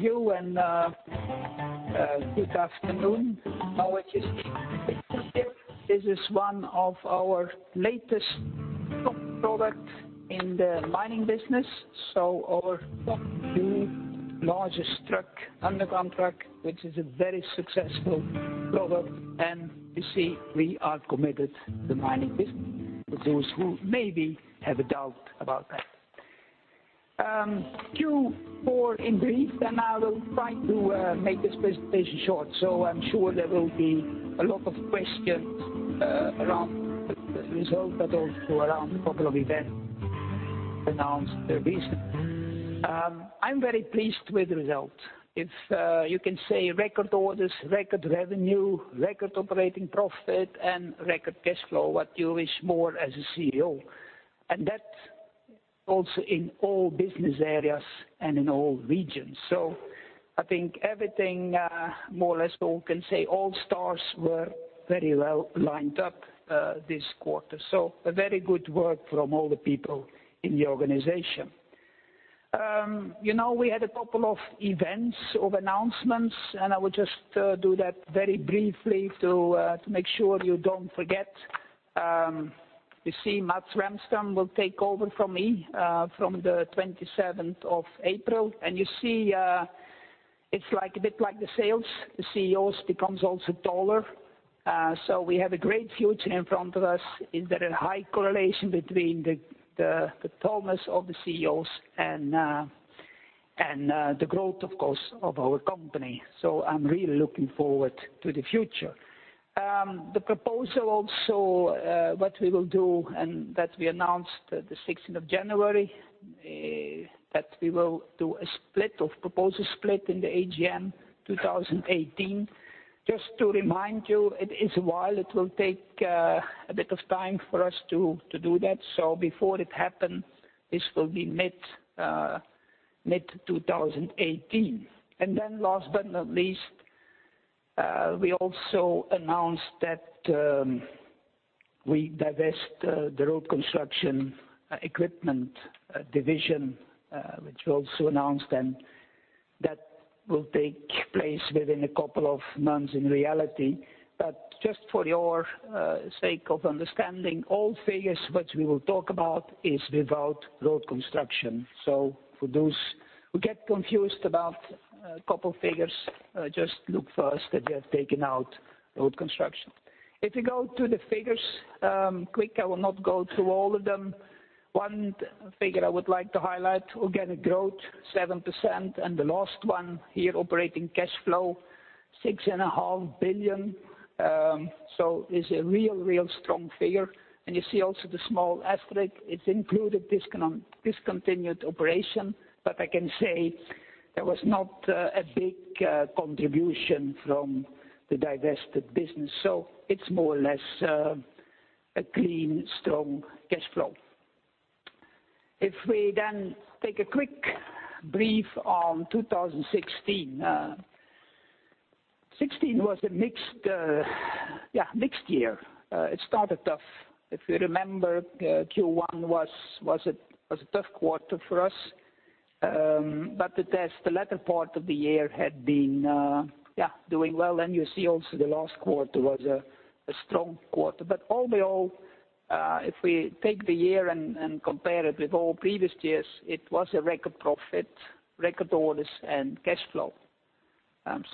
You and good afternoon. I want to see. This is one of our latest top product in the mining business. Our top two largest truck, underground truck, which is a very successful product. You see we are committed to the mining business for those who maybe have a doubt about that. Q4 in brief. I will try to make this presentation short. I'm sure there will be a lot of questions around the result, but also around a couple of events announced recently. I'm very pleased with the result. It's, you can say, record orders, record revenue, record operating profit, and record cash flow. What you wish more as a CEO. That's also in all business areas and in all regions. I think everything more or less we can say all stars were very well lined up this quarter. A very good work from all the people in the organization. We had a couple of events, of announcements, and I will just do that very briefly to make sure you don't forget. You see Mats Rahmström will take over from me from the 27th of April. You see, it's a bit like the sales. The CEOs becomes also taller. We have a great future in front of us. There is a high correlation between the tallness of the CEOs and the growth, of course, of our company. I'm really looking forward to the future. The proposal also, what we will do and that we announced the 16th of January, that we will do a split of proposal split in the AGM 2018. Just to remind you, it is a while. It will take a bit of time for us to do that. Before it happens, this will be mid-2018. Last but not least, we also announced that we divest the Road Construction Equipment division, which we also announced, and that will take place within a couple of months in reality. Just for your sake of understanding, all figures which we will talk about is without Road Construction. For those who get confused about a couple figures, just look first that we have taken out Road Construction. If you go to the figures quick, I will not go through all of them. One figure I would like to highlight, organic growth 7%, and the last one here, operating cash flow, 6.5 billion. It's a real strong figure. You see also the small asterisk. It's included discontinued operation, but I can say there was not a big contribution from the divested business. It's more or less a clean, strong cash flow. If we take a quick brief on 2016. 2016 was a mixed year. It started tough. If you remember, Q1 was a tough quarter for us. The latter part of the year had been doing well. You see also the last quarter was a strong quarter. All in all, if we take the year and compare it with all previous years, it was a record profit, record orders, and cash flow.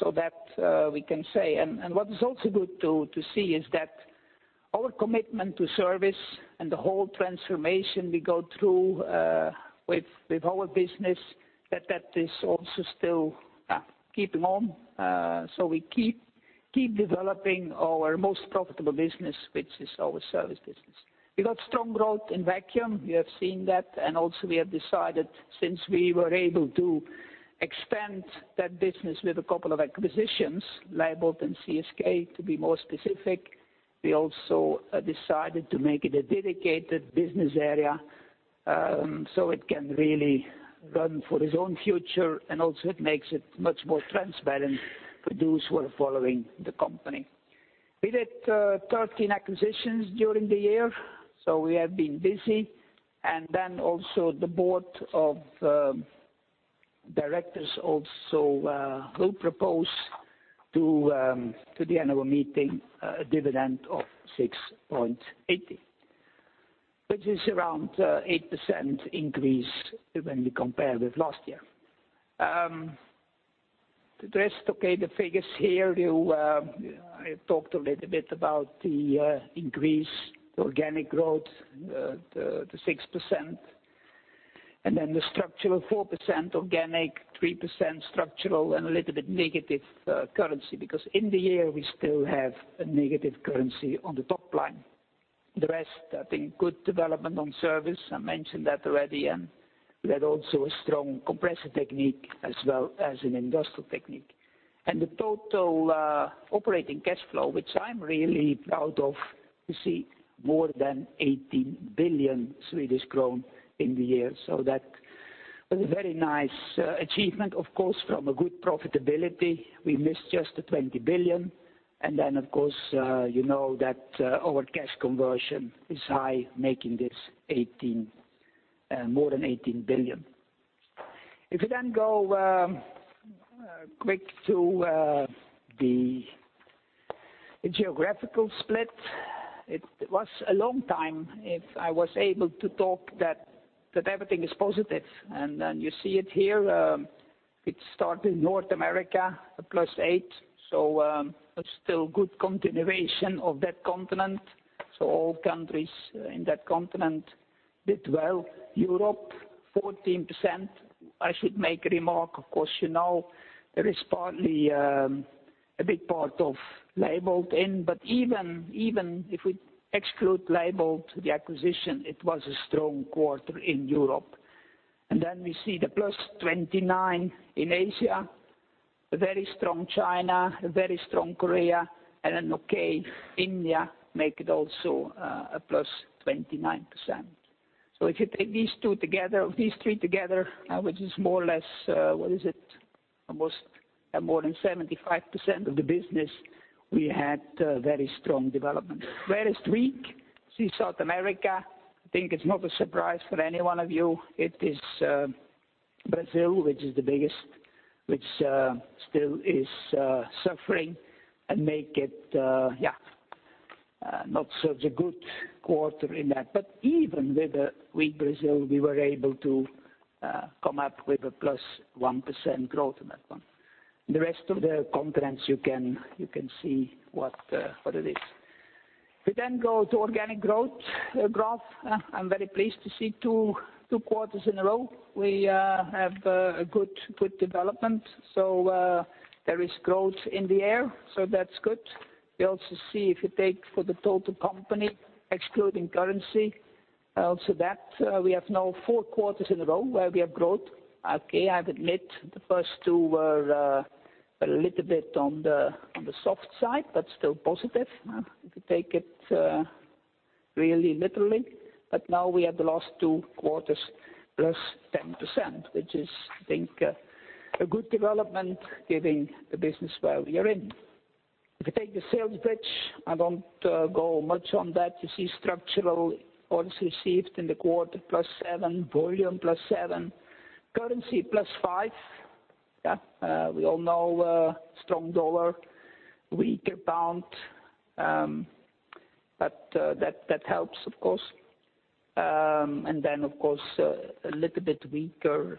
That we can say. What is also good to see is that our commitment to service and the whole transformation we go through with our business, that that is also still keeping on. We keep developing our most profitable business, which is our service business. We got strong growth in Vacuum. You have seen that. We have decided, since we were able to expand that business with a couple of acquisitions, Leybold and CSK to be more specific, we also decided to make it a dedicated business area. It can really run for its own future, and it makes it much more transparent for those who are following the company. We did 13 acquisitions during the year, so we have been busy. The board of directors also will propose to the annual meeting a dividend of 6.80, which is around 8% increase when we compare with last year. The rest, okay, the figures here, I talked a little bit about the increase, the organic growth, the 6%, the structural 4%, organic 3%, structural and a little bit negative currency, because in the year we still have a negative currency on the top line. The rest, I think good development on service. I mentioned that already, and we had also a strong Compressor Technique as well as in Industrial Technique. The total operating cash flow, which I'm really proud of, you see more than 18 billion in the year. That was a very nice achievement. Of course, from a good profitability. We missed just the 20 billion. Of course, you know that our cash conversion is high, making this more than 18 billion. If you then go quick to the geographical split. It was a long time if I was able to talk that everything is positive, and you see it here. It start in North America, a +8%, it's still good continuation of that continent. All countries in that continent did well. Europe, 14%. I should make a remark. Of course, you know, there is partly a big part of Leybold in, but even if we exclude Leybold the acquisition, it was a strong quarter in Europe. We see the +29% in Asia, a very strong China, a very strong Korea, and an okay India, make it also a +29%. If you take these three together, which is more or less, what is it? Almost more than 75% of the business, we had very strong development. Where is weak? See South America, I think it's not a surprise for any one of you. It is Brazil, which is the biggest, which still is suffering and make it not such a good quarter in that. Even with a weak Brazil, we were able to come up with a +1% growth in that one. The rest of the continents, you can see what it is. We go to organic growth graph. I'm very pleased to see two quarters in a row. We have a good development. There is growth in the air, so that's good. We also see if you take for the total company, excluding currency, also that we have now four quarters in a row where we have growth. Okay, I'll admit the first two were a little bit on the soft side, but still positive. If you take it really literally. Now we have the last two quarters, +10%, which is, I think, a good development given the business where we are in. If you take the sales bridge, I don't go much on that. You see structural orders received in the quarter +7%, volume +7%, currency +5%. We all know strong dollar, weaker pound, but that helps of course. And then, of course, a little bit weaker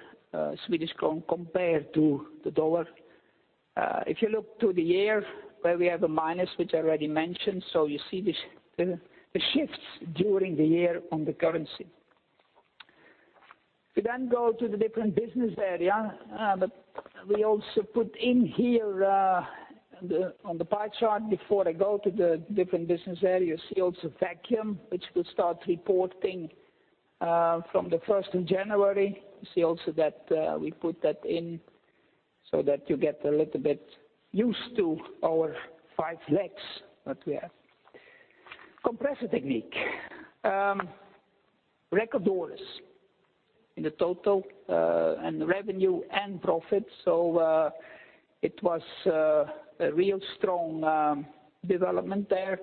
Swedish krona compared to the dollar. If you look to the year where we have a minus, which I already mentioned, you see the shifts during the year on the currency. Then we go to the different business area. We also put in here on the pie chart before I go to the different business areas, you see also Vacuum, which will start reporting from the 1st of January. You see also that we put that in so that you get a little bit used to our five legs that we have. Compressor Technique. Record orders in the total and revenue and profit. It was a real strong development there.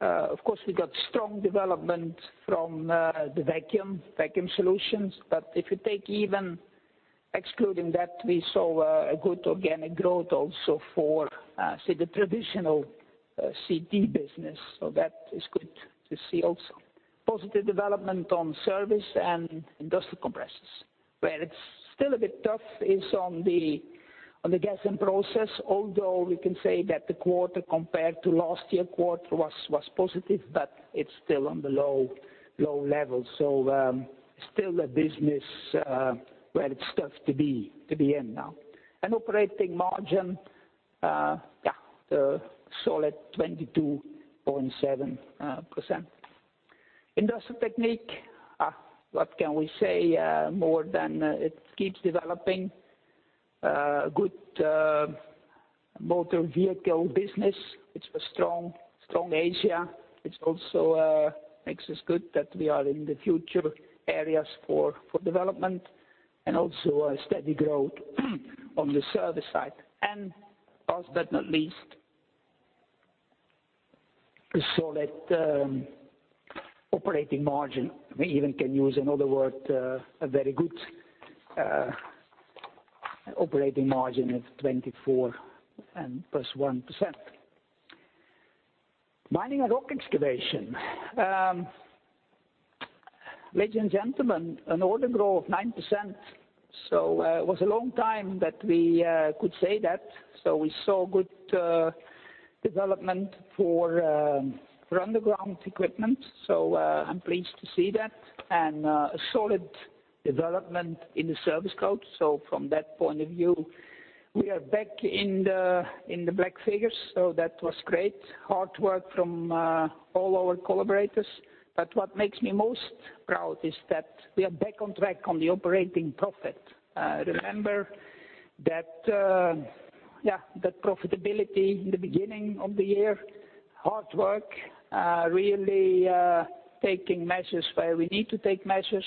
Of course, we got strong development from the Vacuum solutions, but if you take even excluding that, we saw a good organic growth also for, say, the traditional CT business. That is good to see also. Positive development on service and industrial compressors. Where it's still a bit tough is on the Gas and Process, although we can say that the quarter compared to last year quarter was positive, but it's still on the low level. Still a business where it's tough to be in now. And operating margin, a solid 22.7%. Industrial Technique. What can we say more than it keeps developing a good motor vehicle business, which was strong Asia, which also makes us good that we are in the future areas for development and also a steady growth on the service side. Last but not least, a solid operating margin. We even can use another word, a very good operating margin at 24% and +1%. Mining and Rock Excavation. Ladies and gentlemen, an order growth of 9%, it was a long time that we could say that. We saw good development for underground equipment. I'm pleased to see that. A solid development in the service scope. From that point of view, we are back in the black figures. That was great. Hard work from all our collaborators. What makes me most proud is that we are back on track on the operating profit. Remember that profitability in the beginning of the year. Hard work, really taking measures where we need to take measures.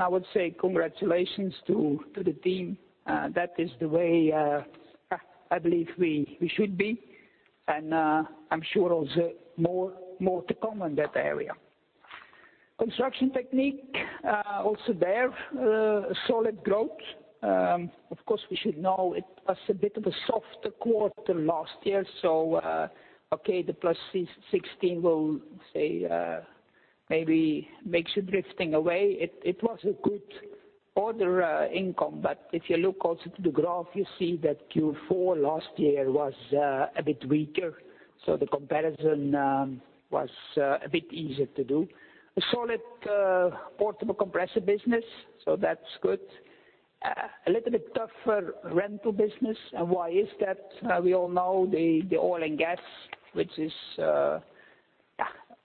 I would say congratulations to the team. That is the way I believe we should be, and I'm sure also more to come in that area. Construction Technique, also there, solid growth. Of course, we should know it was a bit of a softer quarter last year, okay, the +16% will say maybe makes you drifting away. It was a good order income, but if you look also to the graph, you see that Q4 last year was a bit weaker, the comparison was a bit easier to do. A solid Portable Compressor business, that's good. A little bit tougher Rental business. Why is that? We all know the oil and gas, which is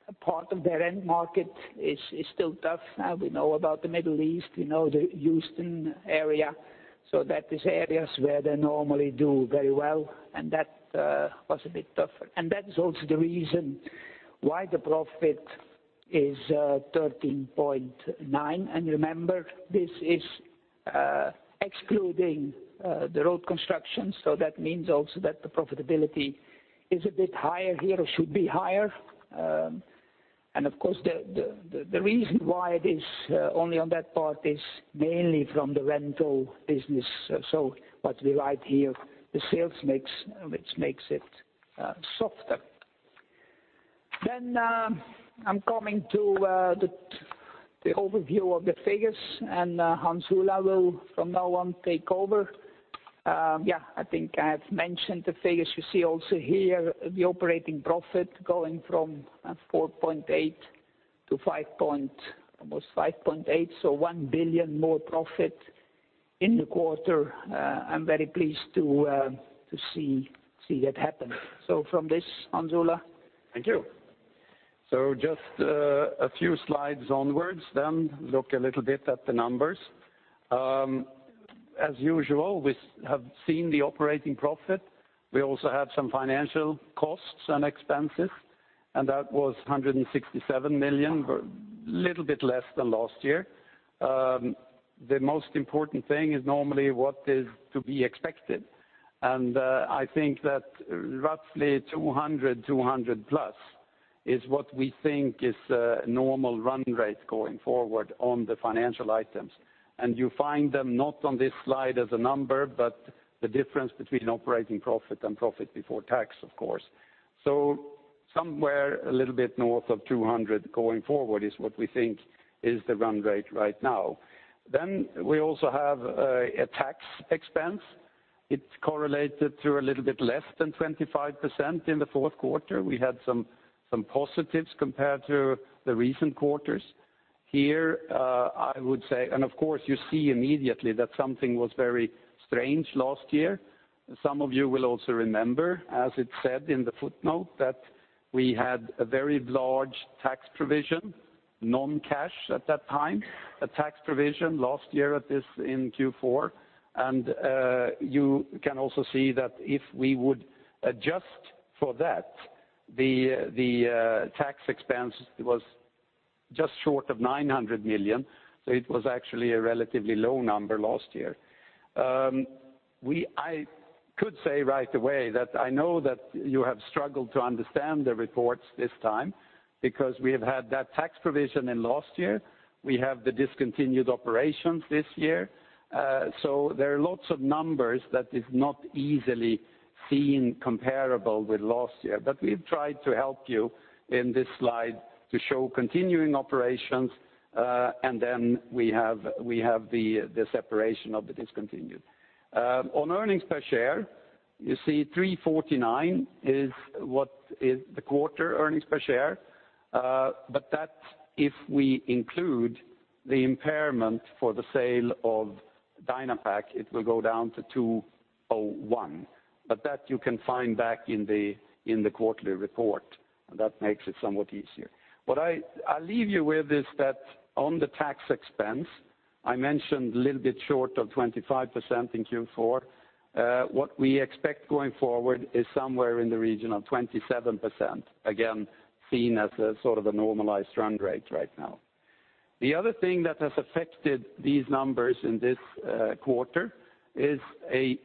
a part of their end market, is still tough. We know about the Middle East, we know the Houston area. That is areas where they normally do very well, and that was a bit tougher. That is also the reason why the profit is 13.9. Remember, this is excluding the road construction, that means also that the profitability is a bit higher here, or should be higher. Of course, the reason why it is only on that part is mainly from the Rental business. What we write here, the sales mix, which makes it softer. I'm coming to the overview of the figures, and Hans Ola will from now on take over. I think I have mentioned the figures. You see also here the operating profit going from 4.8 to almost 5.8, 1 billion more profit in the quarter. I'm very pleased to see that happen. From this, Hans Ola. Thank you. Just a few slides onwards, then look a little bit at the numbers. As usual, we have seen the operating profit. We also have some financial costs and expenses, that was 167 million, a little bit less than last year. The most important thing is normally what is to be expected. I think that roughly 200, 200 plus is what we think is a normal run rate going forward on the financial items. You find them not on this slide as a number, but the difference between operating profit and profit before tax, of course. Somewhere a little bit north of 200 going forward is what we think is the run rate right now. We also have a tax expense. It correlated to a little bit less than 25% in the fourth quarter. We had some positives compared to the recent quarters. Here, I would say, of course, you see immediately that something was very strange last year. Some of you will also remember, as it said in the footnote, that we had a very large tax provision, non-cash at that time, a tax provision last year at this in Q4. You can also see that if we would adjust for that, the tax expense was just short of 900 million. It was actually a relatively low number last year. I could say right away that I know that you have struggled to understand the reports this time because we have had that tax provision in last year. We have the discontinued operations this year. There are lots of numbers that is not easily seen comparable with last year. We've tried to help you in this slide to show continuing operations, and then we have the separation of the discontinued. On earnings per share, you see 3.49 is what is the quarter earnings per share. That, if we include the impairment for the sale of Dynapac, it will go down to 2.01. That you can find back in the quarterly report. That makes it somewhat easier. What I'll leave you with is that on the tax expense, I mentioned a little bit short of 25% in Q4. What we expect going forward is somewhere in the region of 27%, again, seen as a sort of a normalized run rate right now. The other thing that has affected these numbers in this quarter is a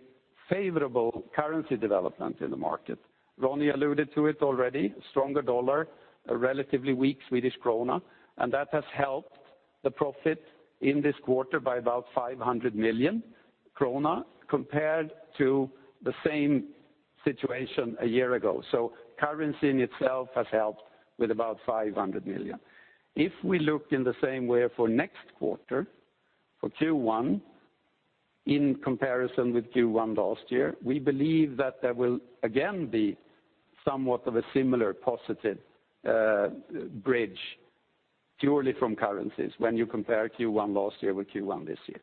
favorable currency development in the market. Ronnie alluded to it already, a stronger dollar, a relatively weak Swedish krona, and that has helped the profit in this quarter by about 500 million krona compared to the same situation a year ago. Currency in itself has helped with about 500 million. If we look in the same way for next quarter, for Q1, in comparison with Q1 last year, we believe that there will again be somewhat of a similar positive bridge purely from currencies when you compare Q1 last year with Q1 this year.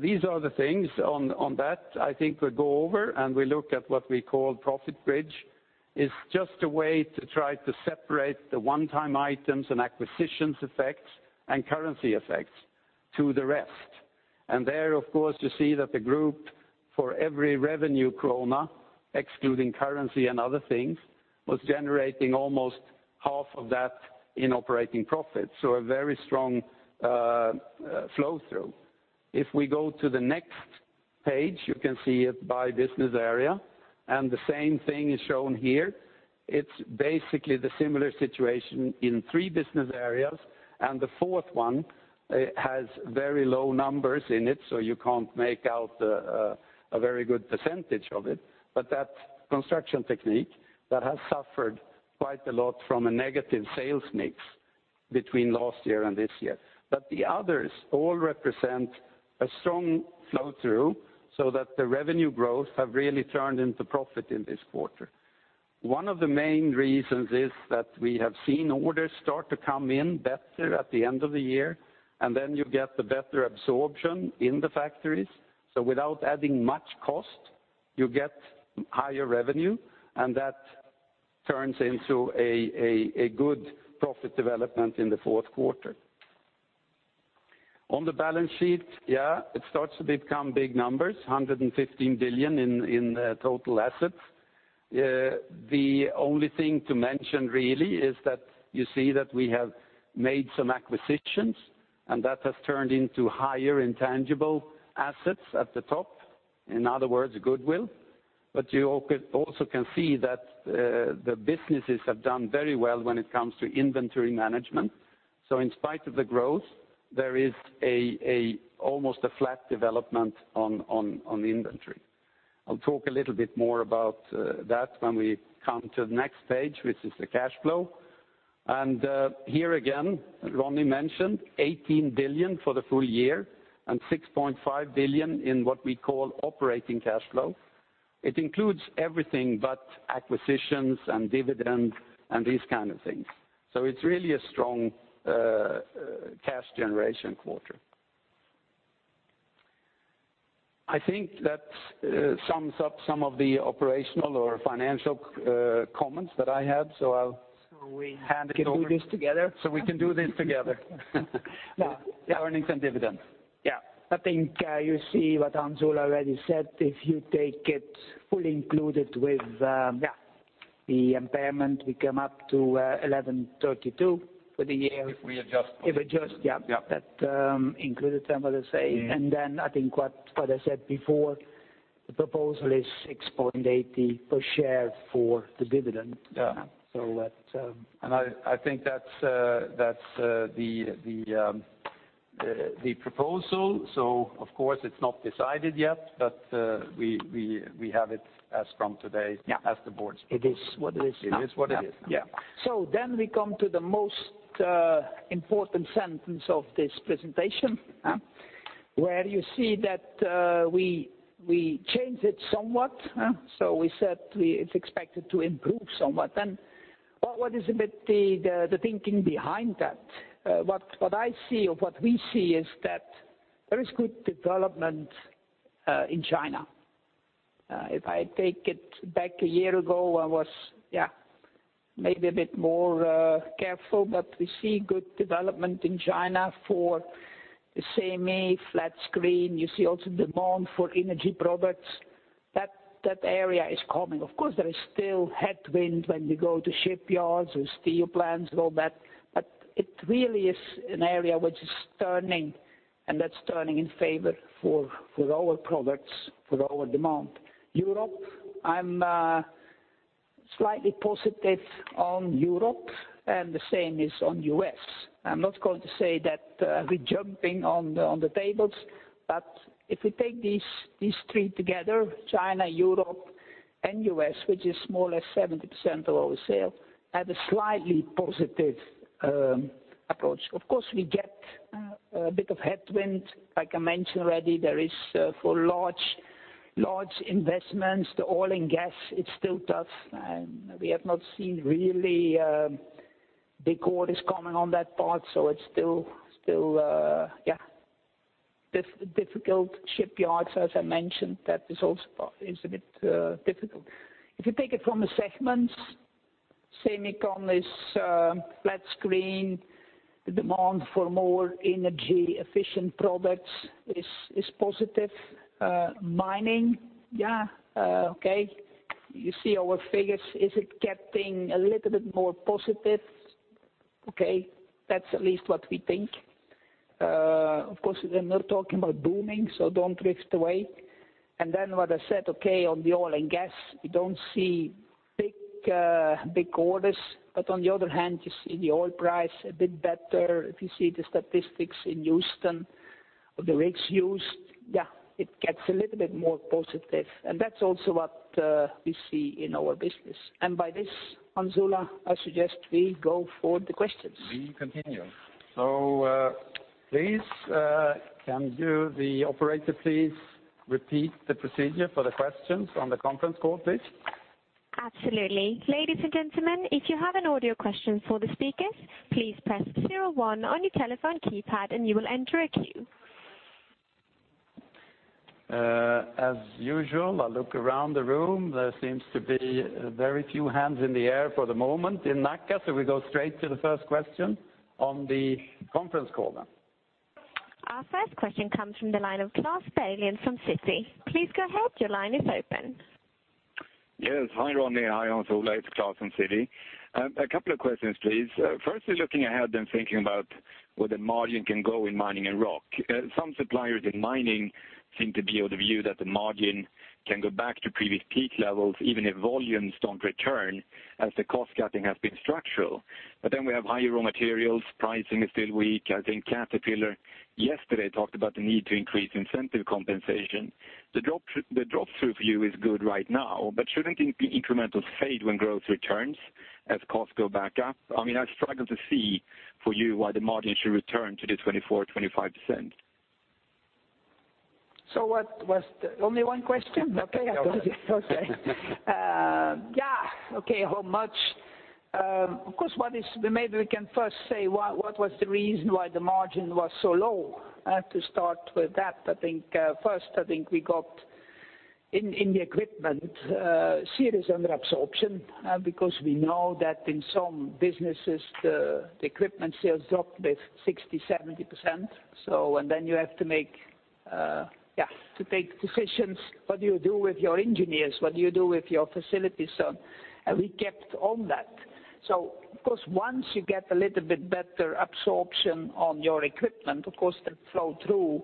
These are the things on that I think we go over, and we look at what we call profit bridge. It's just a way to try to separate the one-time items and acquisitions effects and currency effects to the rest. There, of course, you see that the group for every revenue SEK, excluding currency and other things, was generating almost half of that in operating profit. A very strong flow-through. If we go to the next page, you can see it by business area, and the same thing is shown here. It's basically the similar situation in three business areas, and the fourth one has very low numbers in it, so you can't make out a very good percentage of it. That Construction Technique has suffered quite a lot from a negative sales mix between last year and this year. The others all represent a strong flow-through so that the revenue growth have really turned into profit in this quarter. One of the main reasons is that we have seen orders start to come in better at the end of the year, and then you get the better absorption in the factories. Without adding much cost, you get higher revenue, and that turns into a good profit development in the fourth quarter. On the balance sheet, it starts to become big numbers, 115 billion in total assets. The only thing to mention really is that you see that we have made some acquisitions, and that has turned into higher intangible assets at the top. In other words, goodwill. You also can see that the businesses have done very well when it comes to inventory management. In spite of the growth, there is almost a flat development on inventory. I'll talk a little bit more about that when we come to the next page, which is the cash flow. Here again, Ronnie mentioned 18 billion for the full year and 6.5 billion in what we call operating cash flow. It includes everything but acquisitions and dividends and these kinds of things. It's really a strong cash generation quarter. I think that sums up some of the operational or financial comments that I had. I'll hand it over. We can do this together? We can do this together. Now- Earnings and dividends. I think you see what Hans Olav already said. If you take it fully included with the impairment, we come up to 11.32 for the year. If we adjust. If adjusted. Yeah. That included then, what I say. I think what I said before, the proposal is 6.80 per share for the dividend. Yeah. That- I think that's the proposal. Of course, it's not decided yet, but we have it as from today- Yeah as the board's proposal. It is what it is now. It is what it is, yeah. We come to the most important sentence of this presentation, where you see that we changed it somewhat. We said it's expected to improve somewhat. What is a bit the thinking behind that? What I see or what we see is that there is good development in China. If I take it back a year ago, I was maybe a bit more careful, but we see good development in China for the semi and flat panel. You see also demand for energy products. That area is coming. Of course, there is still headwind when you go to shipyards or steel plants and all that, but it really is an area which is turning, and that's turning in favor for our products, for our demand. Europe, I'm slightly positive on Europe, and the same is on U.S. I'm not going to say that we're jumping on the tables, but if we take these three together, China, Europe, and U.S., which is more or less 70% of our sales, have a slightly positive approach. Of course, we get a bit of headwind. Like I mentioned already, there is for large investments, the oil and gas, it's still tough, and we have not seen really big orders coming on that part. It's still difficult. Shipyards, as I mentioned, that is also a bit difficult. If you take it from the segments, semi and flat panel. The demand for more energy efficient products is positive. Mining, you see our figures. Is it getting a little bit more positive? Okay. That's at least what we think. Of course, we're not talking about booming, don't twist away. What I said, okay, on the oil and gas, we don't see big orders. On the other hand, you see the oil price a bit better. If you see the statistics in Houston of the rigs used, it gets a little bit more positive. That's also what we see in our business. By this, Hans Ola, I suggest we go for the questions. We continue. Please, can the operator please repeat the procedure for the questions on the conference call, please? Absolutely. Ladies and gentlemen, if you have an audio question for the speakers, please press 01 on your telephone keypad and you will enter a queue. As usual, I look around the room. There seems to be very few hands in the air for the moment in Nacka, we go straight to the first question on the conference call then. Our first question comes from the line of Klas Bergelind from Citi. Please go ahead. Your line is open. Yes. Hi, Ronnie. Hi, Hans Ola. It's Klas from Citi. A couple of questions, please. Firstly, looking ahead and thinking about where the margin can go in Mining and Rock. Some suppliers in mining seem to be of the view that the margin can go back to previous peak levels, even if volumes don't return, as the cost-cutting has been structural. We have higher raw materials. Pricing is still weak. I think Caterpillar yesterday talked about the need to increase incentive compensation. The flow-through view is good right now, shouldn't incremental fade when growth returns as costs go back up? I struggle to see for you why the margin should return to the 24%-25%. Only one question? Okay. Okay. Maybe we can first say what was the reason why the margin was so low, to start with that. I think we got, in the equipment, serious under absorption, because we know that in some businesses, the equipment sales dropped with 60%-70%. You have to make decisions. What do you do with your engineers? What do you do with your facilities? We kept on that. Once you get a little bit better absorption on your equipment, of course, that flow-through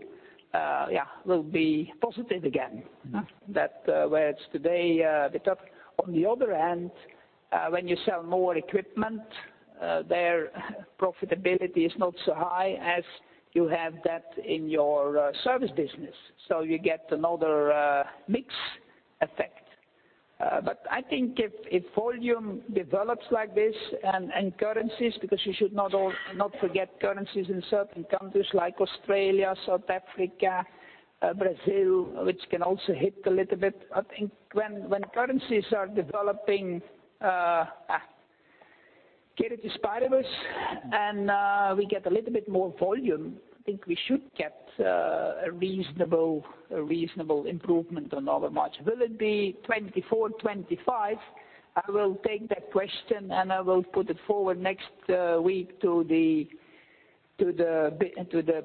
will be positive again. That where it's today, a bit up. When you sell more equipment, their profitability is not so high as you have that in your service business, you get another mix effect. I think if volume develops like this and currencies, because you should not forget currencies in certain countries like Australia, South Africa, Brazil, which can also hit a little bit. I think when currencies are developing, get it despite of us, and we get a little bit more volume, I think we should get a reasonable improvement on our margin. Will it be 24%-25%? I will take that question, and I will put it forward next week to the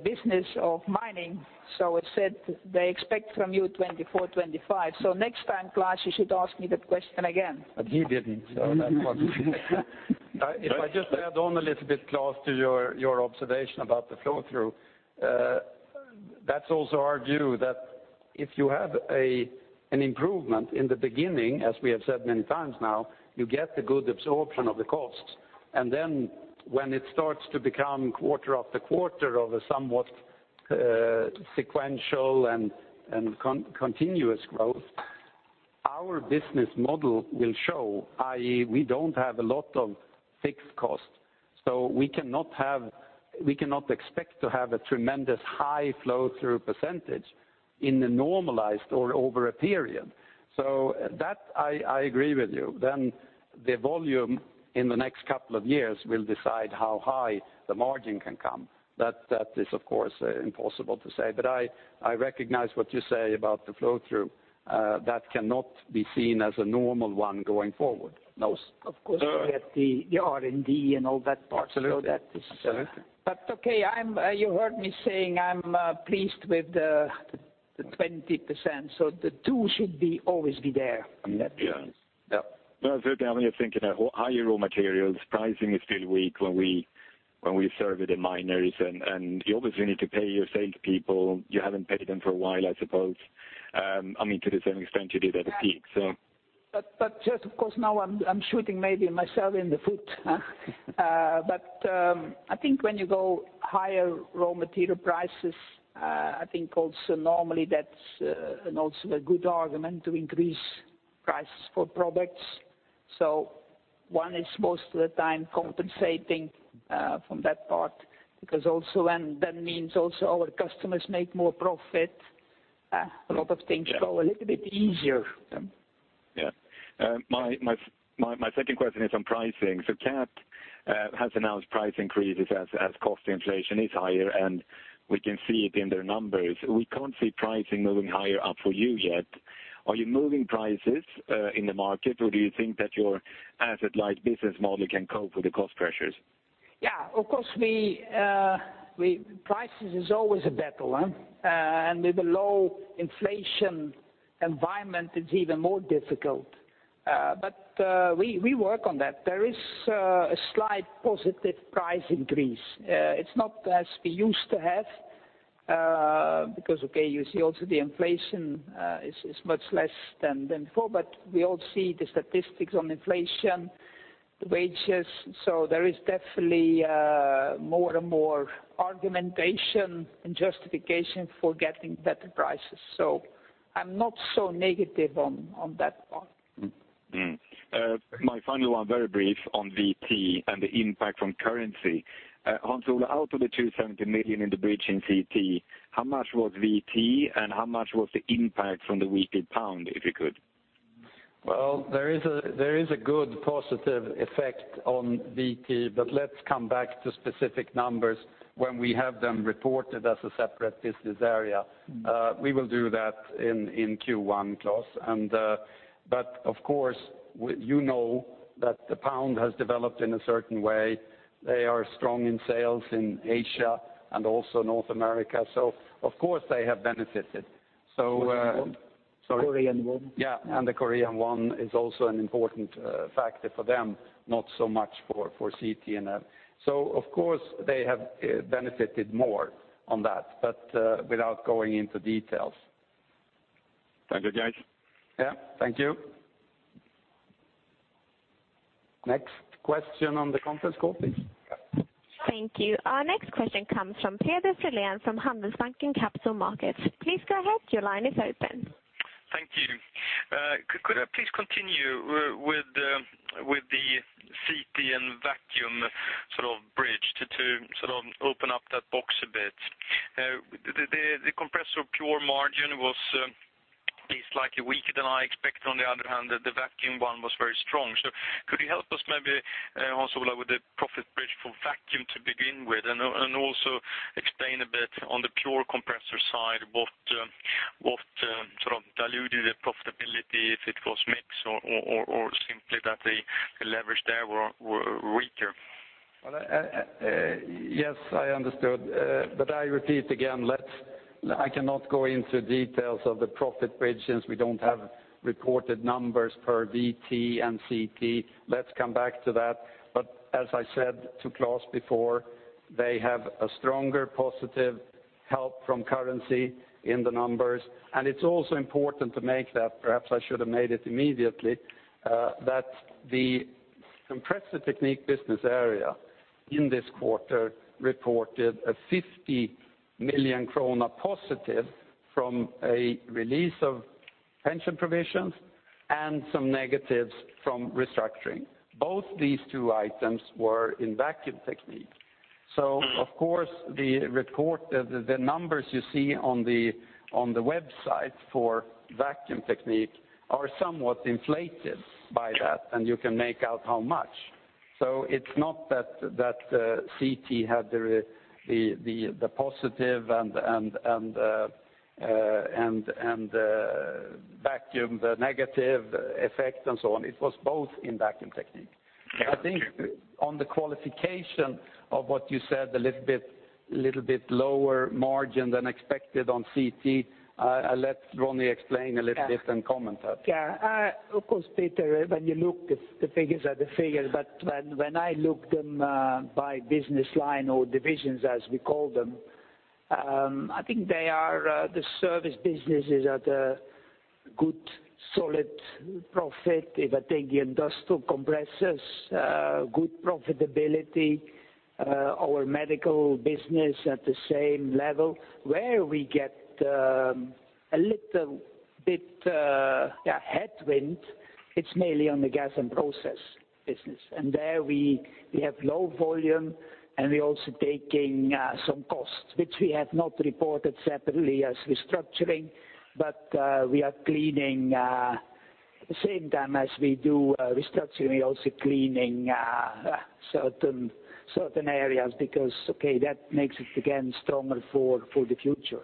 business of Mining and Rock. It said they expect from you 24%-25%. Next time, Klas, you should ask me the question again. He didn't. If I just add on a little bit, Klas, to your observation about the flow-through. That's also our view, that if you have an improvement in the beginning, as we have said many times now, you get the good absorption of the costs. When it starts to become quarter after quarter of a somewhat sequential and continuous growth, our business model will show, i.e., we don't have a lot of fixed costs. We cannot expect to have a tremendous high flow-through percentage in the normalized or over a period. That I agree with you. The volume in the next couple of years will decide how high the margin can come. That is, of course, impossible to say. I recognize what you say about the flow-through. That cannot be seen as a normal one going forward. You get the R&D and all that part. Absolutely. Okay. You heard me saying I'm pleased with the 20%, the two should always be there. Yeah. That's okay. I'm only thinking higher raw materials. Pricing is still weak when we serve with the miners, and you obviously need to pay your sales people. You haven't paid them for a while, I suppose. To the same extent you did at the peak. Just of course now I'm shooting maybe myself in the foot. I think when you go higher raw material prices, I think also normally that's also a good argument to increase prices for products. One is most of the time compensating from that part, because also when that means also our customers make more profit, a lot of things go a little bit easier. Yeah. My second question is on pricing. Cat has announced price increases as cost inflation is higher, and we can see it in their numbers. We can't see pricing moving higher up for you yet. Are you moving prices in the market, or do you think that your asset-light business model can cope with the cost pressures? Yeah. Of course, prices is always a battle, and with a low inflation environment, it's even more difficult. We work on that. There is a slight positive price increase. It's not as we used to have, because, you see also the inflation is much less than before, we all see the statistics on inflation, the wages. There is definitely more and more argumentation and justification for getting better prices. I'm not so negative on that part. My final one, very brief, on VT and the impact from currency. Hans Ola, out of the 270 million in the breach in VT, how much was VT and how much was the impact from the weaker pound, if you could? Well, there is a good positive effect on VT, let's come back to specific numbers when we have them reported as a separate business area. We will do that in Q1, Klas. Of course, you know that the pound has developed in a certain way. They are strong in sales in Asia and also North America. Of course, they have benefited. Korean won. Yeah, the Korean won is also an important factor for them, not so much for Compressor Technique. Of course, they have benefited more on that, without going into details. Thank you, guys. Yeah. Thank you. Next question on the conference call, please. Thank you. Our next question comes from Peter Sollien from Handelsbanken Capital Markets. Please go ahead. Your line is open. Thank you. Could I please continue with the CT and Vacuum bridge to open up that box a bit? The Compressor pure margin was slightly weaker than I expected. On the other hand, the Vacuum one was very strong. Could you help us maybe, Hans Ola, with the profit bridge for Vacuum to begin with? Also explain a bit on the pure Compressor side, what diluted the profitability, if it was mix or simply that the leverage there were weaker. Yes, I understood. I repeat again, I cannot go into details of the profit bridge since we don't have reported numbers per VT and CT. Let's come back to that. As I said to Klas before, they have a stronger positive help from currency in the numbers. It's also important to make that, perhaps I should have made it immediately, that the Compressor Technique business area in this quarter reported a 50 million krona positive from a release of pension provisions and some negatives from restructuring. Both these two items were in Vacuum Technique. Of course, the numbers you see on the website for Vacuum Technique are somewhat inflated by that, and you can make out how much. It's not that CT had the positive and Vacuum the negative effect and so on. It was both in Vacuum Technique. I think on the qualification of what you said, a little bit lower margin than expected on CT, I'll let Ronnie explain a little bit and comment that. Yeah. Of course, Peter, when you look, the figures are the figures. When I look them by business line or divisions as we call them, I think the service business is at a good, solid profit. If I take the industrial compressors, good profitability, our medical business at the same level. Where we get a little bit headwind, it's mainly on the Gas and Process business. There we have low volume, and we also taking some costs, which we have not reported separately as restructuring, but at the same time as we do restructuring, we're also cleaning certain areas because, okay, that makes it again stronger for the future.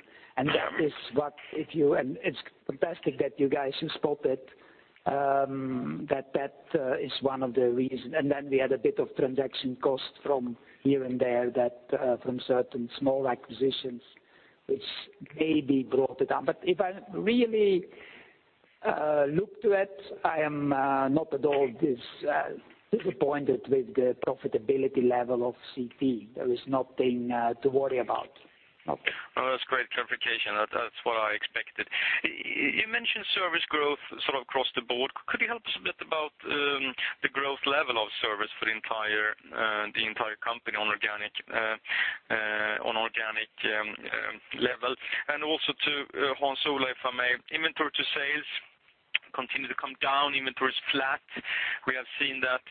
It's fantastic that you guys spotted that is one of the reasons. Then we had a bit of transaction cost from here and there from certain small acquisitions, which maybe brought it down. If I really look to it, I am not at all disappointed with the profitability level of CT. There is nothing to worry about. No, that's great clarification. That's what I expected. You mentioned service growth, sort of across the board. Could you help us a bit about the growth level of service for the entire company on organic level? Also to Hans Ola, if I may. Inventory to sales continue to come down. Inventory is flat. We have seen that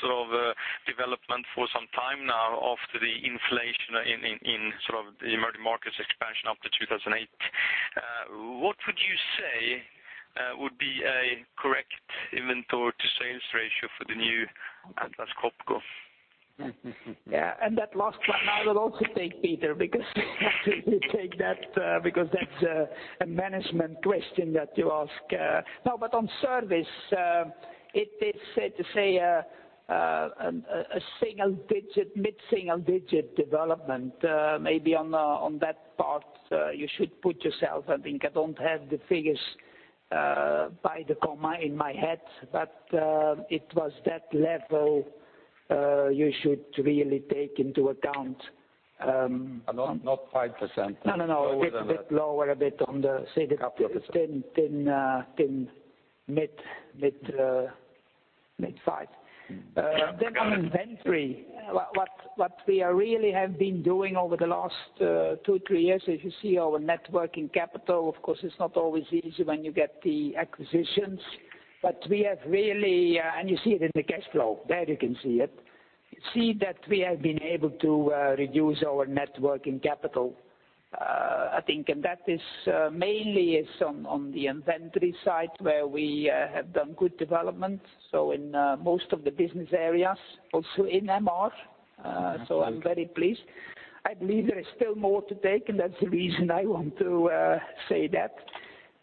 sort of development for some time now after the inflation in the emerging markets expansion up to 2008. What would you say would be a correct inventory to sales ratio for the new Atlas Copco? Yeah, that last one I will also take, Peter, because you take that because that's a management question that you ask. No, on service, it is fair to say a mid-single digit development. Maybe on that part, you should put yourself, I think I don't have the figures by the comma in my head, but it was that level you should really take into account. Not 5%. No, a bit lower. A couple of %. Mid five. On inventory, what we really have been doing over the last two, three years, if you see our net working capital, of course, it's not always easy when you get the acquisitions, and you see it in the cash flow. There you can see it. You see that we have been able to reduce our net working capital, I think. That is mainly on the inventory side, where we have done good development, so in most of the business areas, also in MR. I'm very pleased. I believe there is still more to take, and that's the reason I want to say that.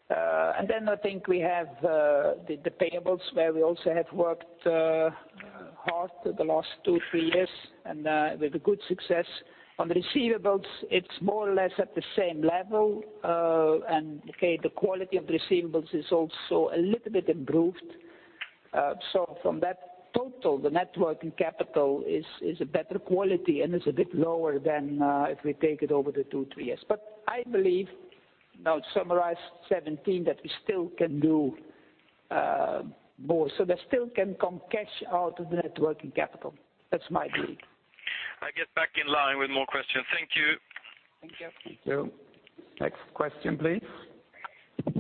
I think we have the payables where we also have worked hard the last two, three years, and with a good success. On the receivables, it's more or less at the same level. Okay, the quality of receivables is also a little bit improved. From that total, the net working capital is a better quality and is a bit lower than if we take it over the two, three years. I believe, now to summarize 2017, that we still can do more. There still can come cash out of the net working capital. That's my belief. I get back in line with more questions. Thank you. Thank you. Thank you. Next question, please.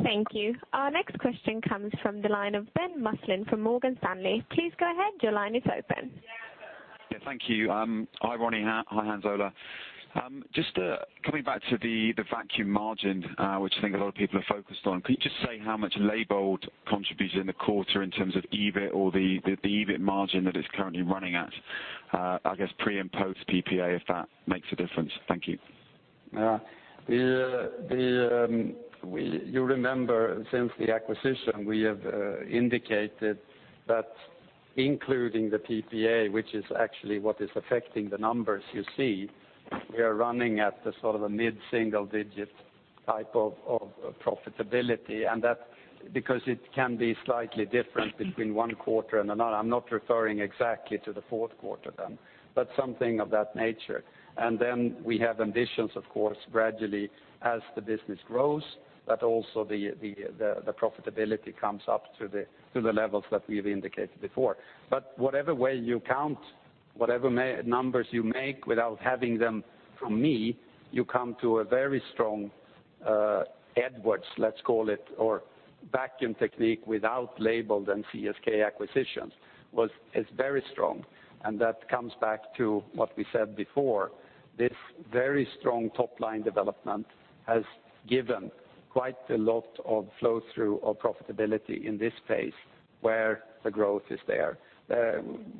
Thank you. Our next question comes from the line of Ben Maslen from Morgan Stanley. Please go ahead. Your line is open. Thank you. Hi, Ronnie. Hi, Hans Ola. Just coming back to the vacuum margin, which I think a lot of people are focused on. Can you just say how much Leybold contributed in the quarter in terms of EBIT or the EBIT margin that it is currently running at, I guess pre and post PPA, if that makes a difference? Thank you. You remember since the acquisition, we have indicated that including the PPA, which is actually what is affecting the numbers you see, we are running at the sort of a mid-single digit type of profitability, that because it can be slightly different between one quarter and another. I am not referring exactly to the fourth quarter then, but something of that nature. Then we have ambitions, of course, gradually as the business grows, that also the profitability comes up to the levels that we have indicated before. Whatever way you count, whatever numbers you make without having them from me, you come to a very strong Edwards, let's call it, or Vacuum Technique without Leybold and CSK acquisitions, is very strong, and that comes back to what we said before. This very strong top-line development has given quite a lot of flow-through of profitability in this phase where the growth is there.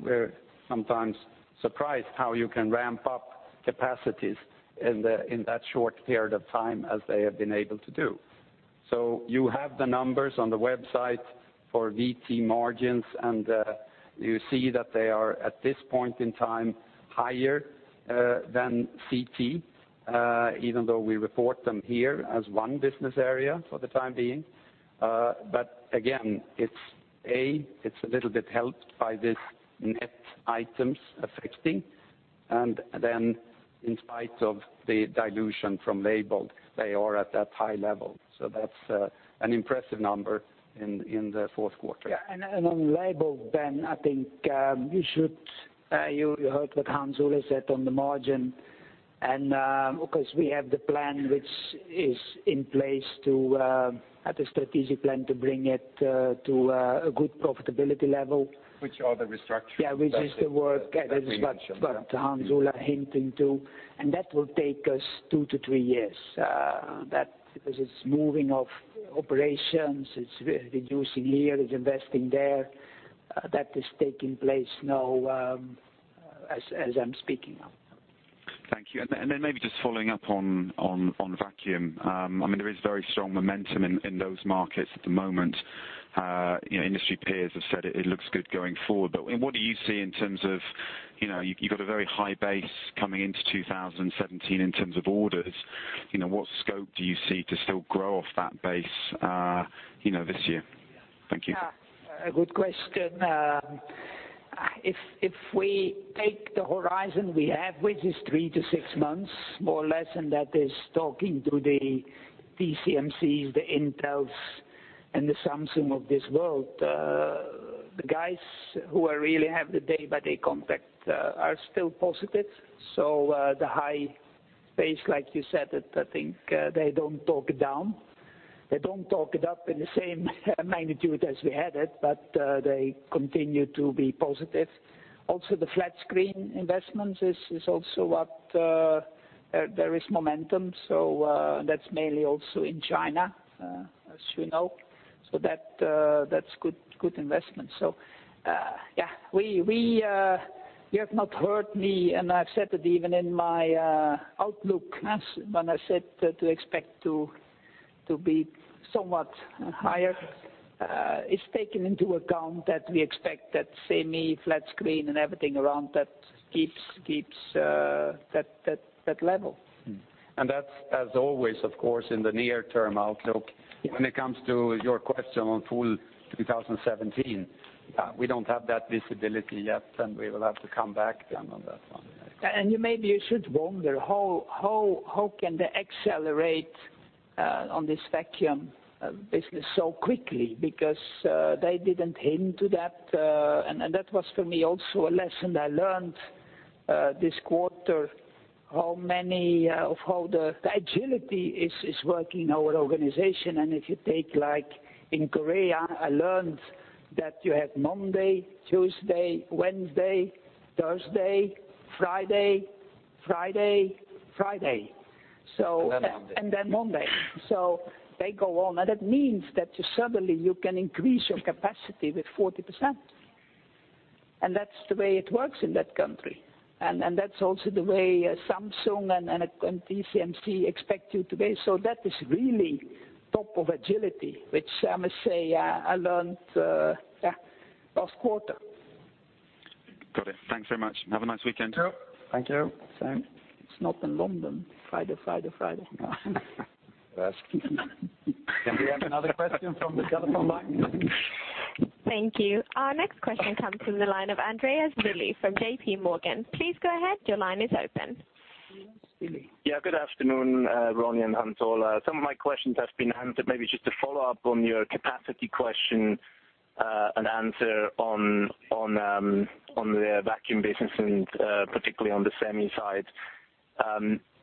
We are sometimes surprised how you can ramp up capacities in that short period of time as they have been able to do. You have the numbers on the website for VT margins, you see that they are, at this point in time, higher than CT, even though we report them here as one business area for the time being. Again, it is A, it is a little bit helped by this net items affecting, then in spite of the dilution from Leybold, they are at that high level. That is an impressive number in the fourth quarter. Yeah. On Leybold, Ben, I think you heard what Hans Ola said on the margin, because we have the plan which is in place to have the strategic plan to bring it to a good profitability level. Which are the restructuring- Yeah, which is the work that is what Hans Ola hinting to, that will take us two to three years. That because it's moving of operations, it's reducing here, is investing there, that is taking place now as I'm speaking of. Thank you. Then maybe just following up on Vacuum Technique. There is very strong momentum in those markets at the moment. Industry peers have said it looks good going forward, what do you see in terms of, you've got a very high base coming into 2017 in terms of orders. What scope do you see to still grow off that base this year? Thank you. Yeah. A good question. If we take the horizon we have, which is 3-6 months, more or less, and that is talking to the TSMCs, the Intels, and the Samsung of this world. The guys who I really have the day-by-day contact are still positive. The high pace, like you said it, I think, they don't talk it down. They don't talk it up in the same magnitude as we had it, but they continue to be positive. Also, the flat screen investment is also what there is momentum, so that's mainly also in China, as you know. That's good investment. Yeah. You have not heard me, and I've said it even in my outlook when I said to expect to be somewhat higher, it's taken into account that we expect that semi flat screen and everything around that keeps that level. That's as always, of course, in the near-term outlook. When it comes to your question on full 2017, we don't have that visibility yet, and we will have to come back then on that one. You maybe you should wonder how can they accelerate on this vacuum business so quickly because they didn't hint to that, and that was for me also a lesson I learned this quarter How the agility is working in our organization. If you take, like in Korea, I learned that you have Monday, Tuesday, Wednesday, Thursday, Friday, Friday. Monday. Monday. They go on, and it means that suddenly you can increase your capacity with 40%. That's the way it works in that country. That's also the way Samsung and TSMC expect you to be. That is really top of agility, which I must say, I learned last quarter. Got it. Thanks very much. Have a nice weekend. Thank you. Thank you. It's not in London, Friday, Friday. No. That's Can we have another question from the telephone line? Thank you. Our next question comes from the line of Andreas Willi from J.P. Morgan. Please go ahead. Your line is open. Andreas Willi. Yeah. Good afternoon, Ronnie and Hans Olav. Some of my questions have been answered. Maybe just a follow-up on your capacity question, an answer on the vacuum business and particularly on the semi side.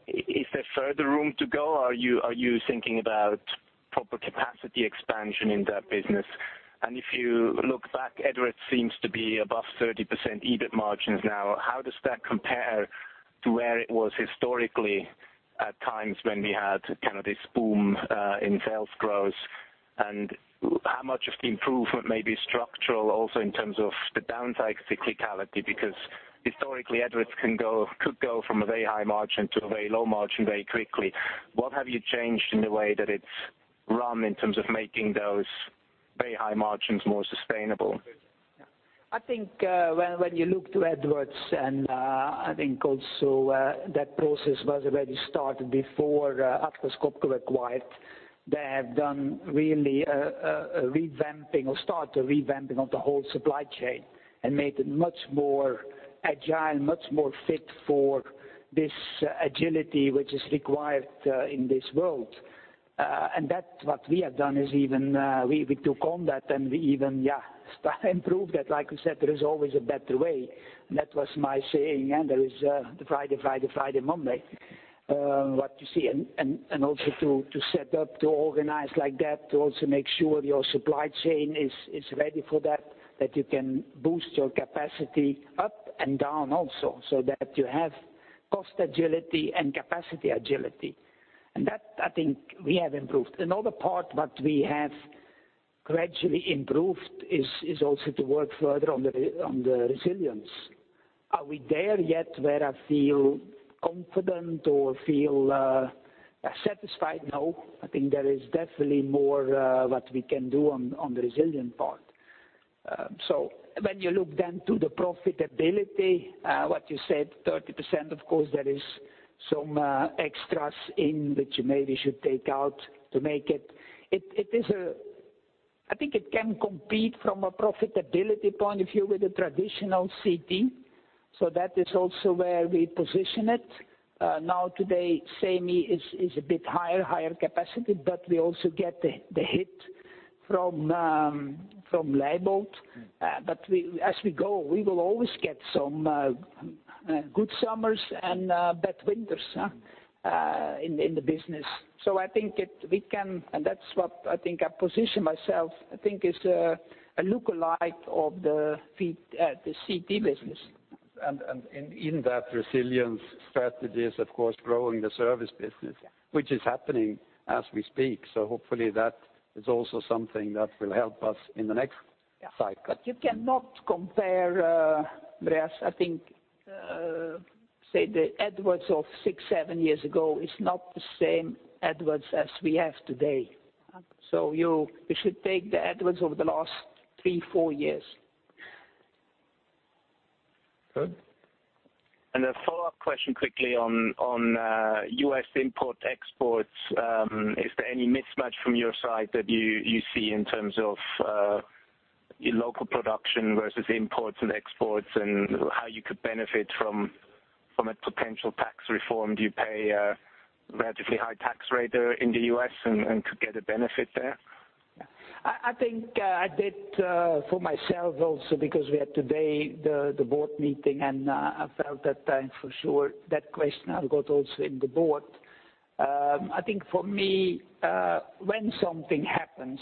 Is there further room to go? Are you thinking about proper capacity expansion in that business? If you look back, Edwards seems to be above 30% EBIT margins now. How does that compare to where it was historically, at times when we had this boom in sales growth? How much of the improvement may be structural also in terms of the downside cyclicality? Historically, Edwards could go from a very high margin to a very low margin very quickly. What have you changed in the way that it's run in terms of making those very high margins more sustainable? I think when you look to Edwards, I think also that process was already started before Atlas Copco acquired. They have done really a revamping or start a revamping of the whole supply chain and made it much more agile, much more fit for this agility which is required in this world. That what we have done is even, we took on that and we even start improve that. Like you said, there is always a better way. That was my saying, and there is a Friday, Friday, Monday. What you see and also to set up, to organize like that, to also make sure your supply chain is ready for that you can boost your capacity up and down also, so that you have cost agility and capacity agility. That, I think we have improved. Another part that we have gradually improved is also to work further on the resilience. Are we there yet where I feel confident or feel satisfied? No, I think there is definitely more that we can do on the resilience part. When you look then to the profitability, what you said, 30%, of course, there is some extras in which you maybe should take out to make it. I think it can compete from a profitability point of view with a traditional CT. That is also where we position it. Now today, semi is a bit higher capacity, but we also get the hit from Leybold. As we go, we will always get some good summers and bad winters in the business. I think we can, and that's what I think I position myself, I think it's a lookalike of the CT business. In that resilience strategy is of course growing the service business. Yeah. Which is happening as we speak, hopefully that is also something that will help us in the next cycle. Yeah. You cannot compare, Andreas, I think, say the Edwards of six, seven years ago is not the same Edwards as we have today. You should take the Edwards over the last three, four years. Good. A follow-up question quickly on U.S. import exports. Is there any mismatch from your side that you see in terms of your local production versus imports and exports and how you could benefit from a potential tax reform? Do you pay a relatively high tax rate in the U.S. and could get a benefit there? I think I did for myself also because we had today the board meeting, and I felt that for sure that question I'll got also in the board. I think for me, when something happens,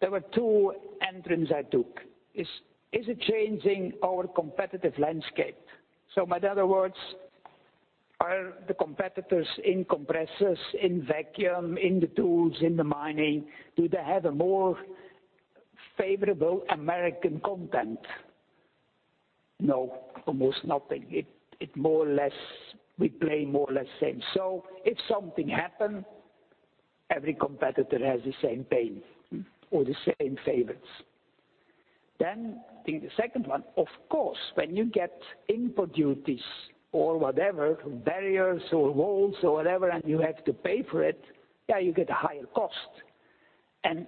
there were two entrance I took. Is it changing our competitive landscape? In other words, are the competitors in compressors, in vacuum, in the tools, in the mining, do they have a more favorable American content? No, almost nothing. We play more or less same. If something happen, every competitor has the same pain or the same favors. The second one, of course, when you get import duties or whatever, barriers or walls or whatever, and you have to pay for it, you get a higher cost.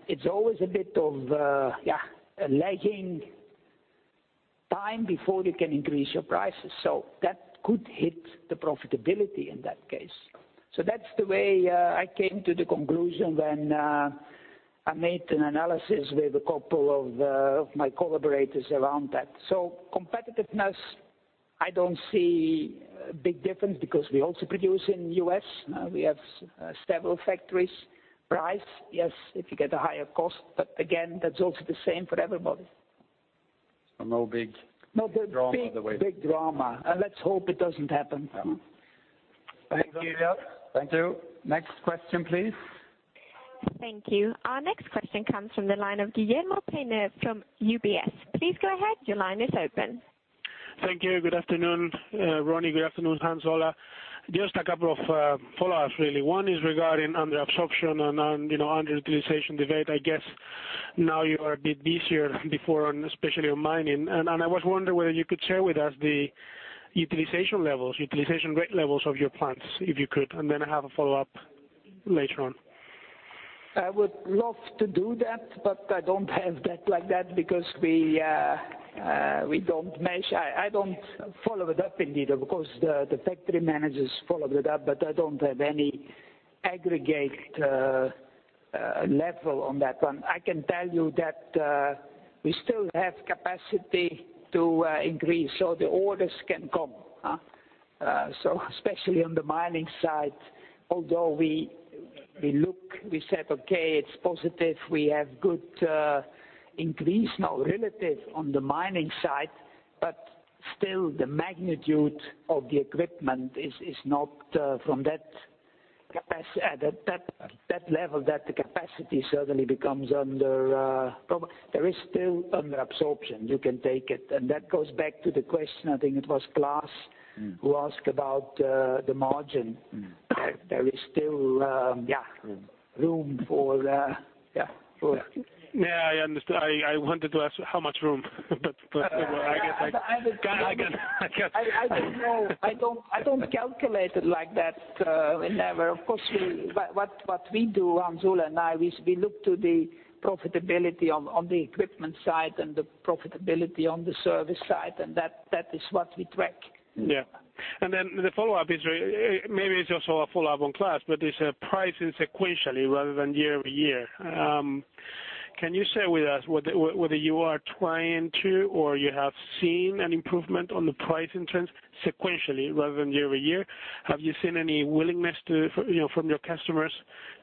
It's always a bit of a lagging time before you can increase your prices. That could hit the profitability in that case. That's the way I came to the conclusion when I made an analysis with a couple of my collaborators around that. Competitiveness, I don't see a big difference because we also produce in the U.S. We have several factories. Price, yes, if you get a higher cost, but again, that's also the same for everybody. No big drama on the way. No big drama. Let's hope it doesn't happen. Thanks. Thanks. Thank you. Next question, please. Thank you. Our next question comes from the line of Guillermo Peigneux-Lojo from UBS. Please go ahead. Your line is open. Thank you. Good afternoon, Ronnie. Good afternoon, Hans Ola. Just a couple of follow-ups really. One is regarding under absorption and underutilization debate. I guess now you are a bit busier than before, especially on mining. I was wondering whether you could share with us the utilization rate levels of your plants, if you could. I have a follow-up later on. I would love to do that, I don't have that like that because we don't mesh. I don't follow it up in detail. Of course, the factory managers followed it up, I don't have any aggregate level on that one. I can tell you that we still have capacity to increase, the orders can come. Especially on the mining side, although we look, we said, okay, it's positive. We have good increase, now relative on the mining side. Still the magnitude of the equipment is not from that level that the capacity suddenly becomes under problem. There is still under absorption, you can take it. That goes back to the question, I think it was Klas who asked about the margin. There is still room for the. Yeah, I understand. I wanted to ask how much room. I don't know. I don't calculate it like that, never. Of course, what we do, Hans Ola and I, is we look to the profitability on the equipment side and the profitability on the service side, and that is what we track. Yeah. Then the follow-up is, maybe it's also a follow-up on Klas, but is pricing sequentially rather than year-over-year. Can you share with us whether you are trying to or you have seen an improvement on the pricing trends sequentially rather than year-over-year? Have you seen any willingness from your customers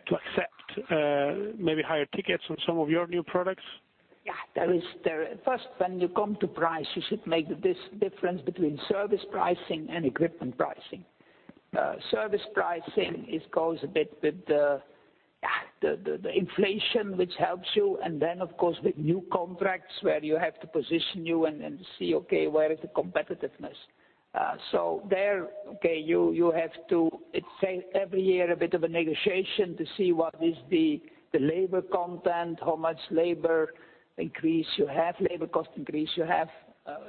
to accept maybe higher tickets on some of your new products? Yeah. First, when you come to price, you should make this difference between service pricing and equipment pricing. Service pricing, it goes a bit with the inflation, which helps you. Then of course, with new contracts where you have to position you and see, okay, where is the competitiveness? There, okay, you have to, it's every year a bit of a negotiation to see what is the labor content, how much labor increase you have, labor cost increase you have.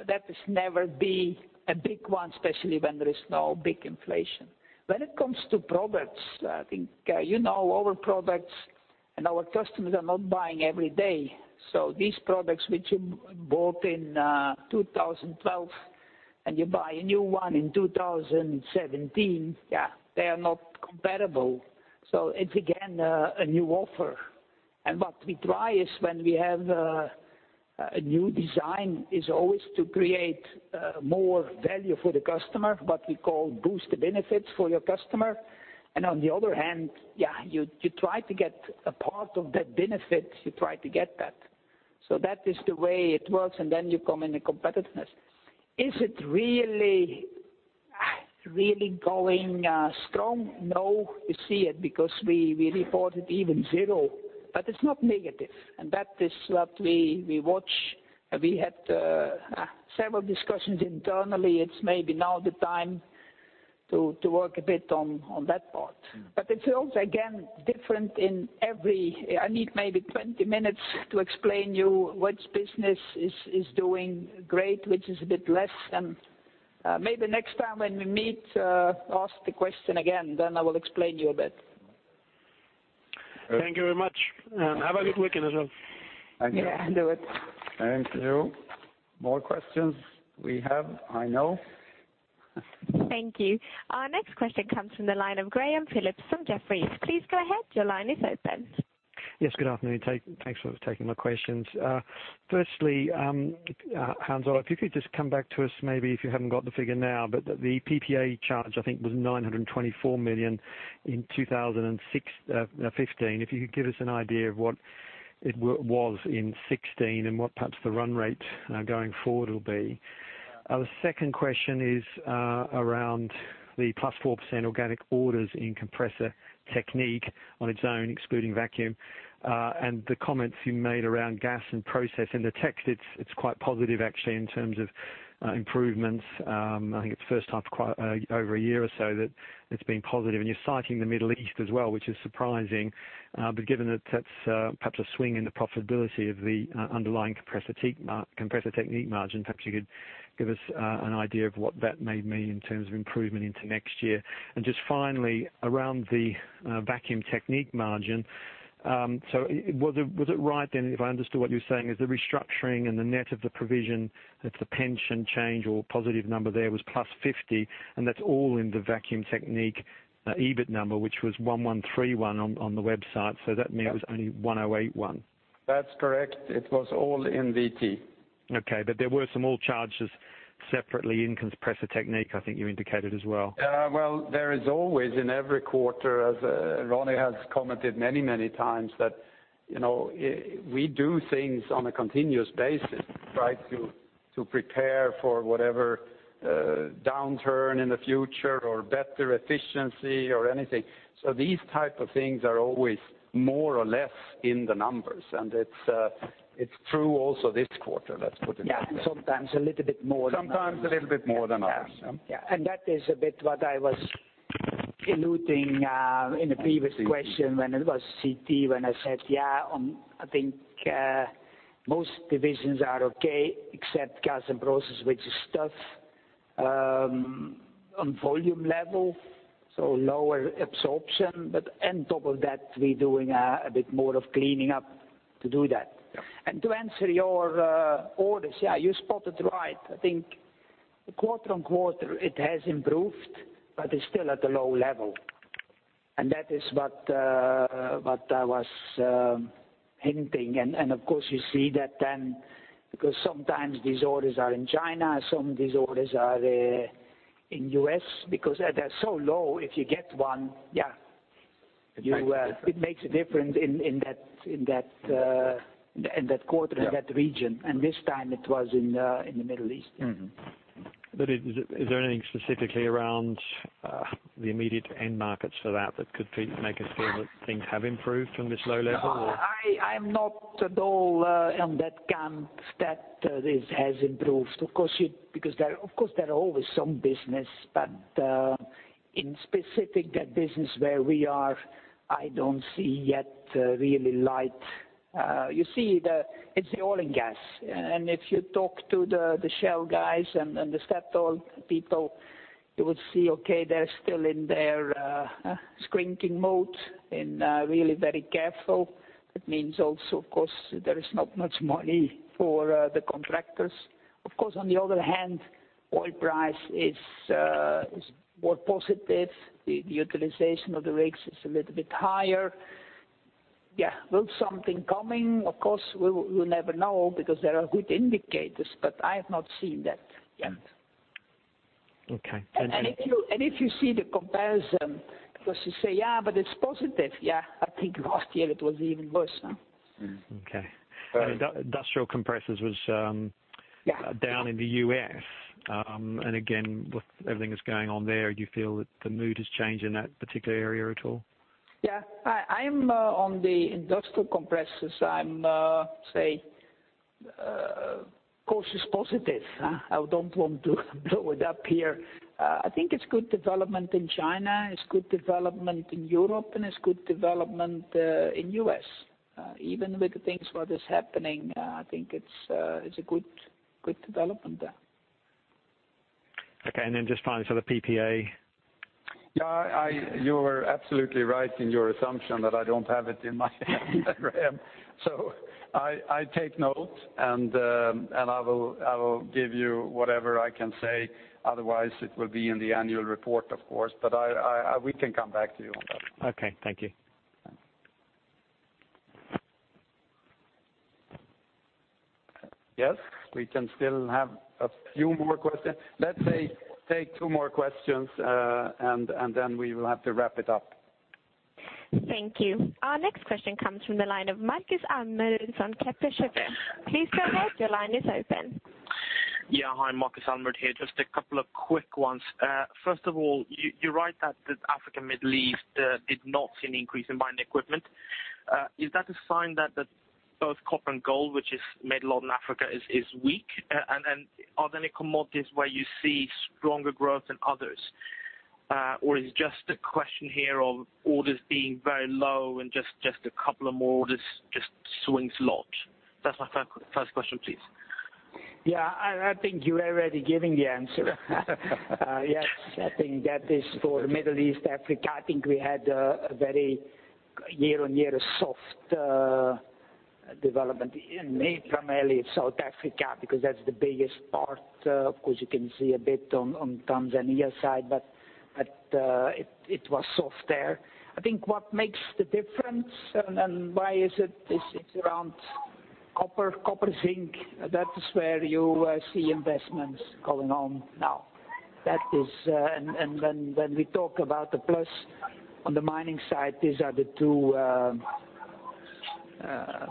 That is never be a big one, especially when there is no big inflation. When it comes to products, I think you know our products and our customers are not buying every day. These products which you bought in 2012 and you buy a new one in 2017, yeah, they are not comparable. It's again, a new offer. What we try is when we have a new design is always to create more value for the customer, what we call boost the benefits for your customer. On the other hand, you try to get a part of that benefit. You try to get that. That is the way it works, then you come in the competitiveness. Is it really going strong? No. You see it because we reported even zero, but it's not negative. That is what we watch. We had several discussions internally. It's maybe now the time to work a bit on that part. It's also, again, different in every-- I need maybe 20 minutes to explain you which business is doing great, which is a bit less. Maybe next time when we meet, ask the question again, I will explain you a bit. Thank you very much. Have a good weekend as well. Yeah. Do it. Thank you. More questions we have, I know. Thank you. Our next question comes from the line of Graham Phillips from Jefferies. Please go ahead. Your line is open. Yes, good afternoon. Thanks for taking my questions. Firstly, Hans Ola, if you could just come back to us, maybe if you haven't got the figure now, but the PPA charge, I think was 924 million in 2015. If you could give us an idea of what it was in 2016 and what perhaps the run rate going forward will be. The second question is around the +4% organic orders in Compressor Technique on its own, excluding vacuum. The comments you made around Gas and Process. In the text it's quite positive, actually, in terms of improvements. I think it's the first time for over a year or so that it's been positive. You're citing the Middle East as well, which is surprising. Given that that's perhaps a swing in the profitability of the underlying Compressor Technique margin, perhaps you could give us an idea of what that may mean in terms of improvement into next year. Just finally, around the Vacuum Technique margin. Was it right then, if I understood what you're saying, is the restructuring and the net of the provision of the pension change or positive number there was 50, and that's all in the Vacuum Technique EBIT number, which was 1,131 on the website. That meant it was only 1,081. That's correct. It was all in VT. Okay. There were some more charges separately in Compressor Technique, I think you indicated as well. There is always in every quarter, as Ronnie has commented many times, that we do things on a continuous basis. Try to prepare for whatever downturn in the future or better efficiency or anything. These type of things are always more or less in the numbers, and it's true also this quarter, let's put it that way. Yeah, sometimes a little bit more than others. Sometimes a little bit more than others. Yeah. That is a bit what I was alluding in the previous question when it was CT, when I said, I think most divisions are okay except Gas and Process, which is tough on volume level, lower absorption. On top of that, we're doing a bit more of cleaning up to do that. Yeah. To answer your orders. Yeah, you spotted right. I think quarter on quarter it has improved, but it's still at a low level. That is what I was hinting. Of course, you see that because sometimes these orders are in China, some these orders are in U.S., because they're so low, if you get one. It makes a difference in that quarter- Yeah in that region. This time it was in the Middle East. Is there anything specifically around the immediate end markets for that could make us feel that things have improved from this low level or? No, I'm not at all on that camp that this has improved. Of course, there are always some business, but in specific that business where we are, I don't see yet really light. It's the oil and gas. If you talk to the Shell guys and the Statoil people, you will see, okay, they're still in their shrinking mode and really very careful. That means also, of course, there is not much money for the contractors. Of course, on the other hand, oil price is more positive. The utilization of the rigs is a little bit higher. Yeah. Will something coming? Of course, we will never know because there are good indicators, but I have not seen that yet. Okay. if you see the comparison, because you say, but it's positive. Yeah. I think last year it was even worse. Okay. Right. Industrial compressors was Yeah down in the U.S. again, with everything that's going on there, do you feel that the mood has changed in that particular area at all? Yeah. On the Industrial Compressors, I say course is positive. I don't want to blow it up here. I think it's good development in China, it's good development in Europe, and it's good development in the U.S. Even with the things what is happening, I think it's a good development there. Okay. Just finally, the PPA. You are absolutely right in your assumption that I don't have it in my head. I take note, and I will give you whatever I can say. Otherwise, it will be in the annual report of course. We can come back to you on that. Okay. Thank you. Yes. We can still have a few more questions. Let's take two more questions, and then we will have to wrap it up. Thank you. Our next question comes from the line of Markus Almerud on Kepler Cheuvreux. Please go ahead. Your line is open. Yeah. Hi, Marcus Almerd here. Just a couple of quick ones. First of all, you're right that the Africa, Middle East, did not see an increase in buying equipment. Is that a sign that both copper and gold, which is Middle or in Africa, is weak? Are there any commodities where you see stronger growth than others? Is it just a question here of orders being very low and just a couple of more orders just swings a lot? That's my first question, please. Yeah. I think you are already giving the answer. Yes. I think that is for Middle East, Africa, I think we had a very year-on-year soft development in primarily South Africa because that's the biggest part. Of course, you can see a bit on Tanzania side, but it was soft there. I think what makes the difference and why is it, is it's around copper, zinc. That is where you see investments going on now. When we talk about the plus on the mining side, these are the two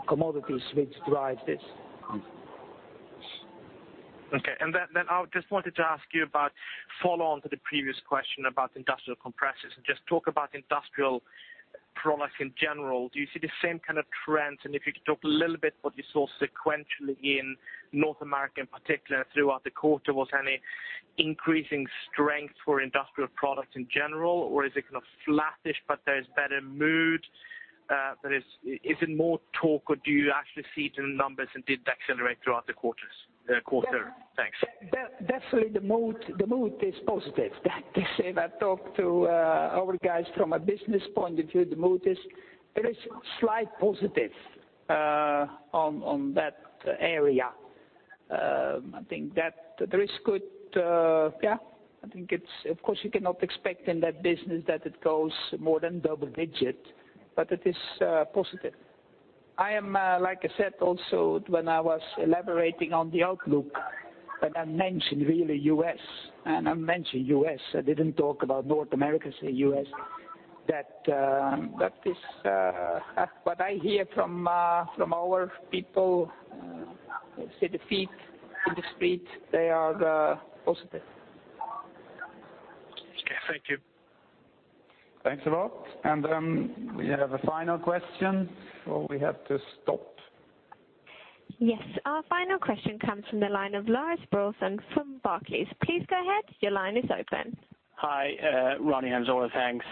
commodities which drive this. Okay. I just wanted to ask you about follow on to the previous question about industrial compressors, and just talk about industrial products in general. Do you see the same kind of trends? If you could talk a little bit what you saw sequentially in North America in particular throughout the quarter. Was any increasing strength for industrial products in general, or is it kind of flattish, but there is better mood? Is it more talk or do you actually see it in numbers and did accelerate throughout the quarters? Thanks. Definitely the mood is positive. If I talk to our guys from a business point of view, the mood is, there is slight positive on that area. I think that, of course, you cannot expect in that business that it goes more than double-digit, but it is positive. I am, like I said, also when I was elaborating on the outlook, when I mentioned really U.S., and I mentioned U.S., I didn't talk about North America, say U.S. That is what I hear from our people, the feet in the street, they are positive. Okay. Thank you. Thanks a lot. Then we have a final question, or we have to stop. Yes. Our final question comes from the line of Lars Brorson from Barclays. Please go ahead. Your line is open. Hi, Ronnie and Hans Ola. Thanks.